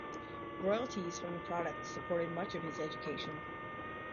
Royalties from the product supported much of his education.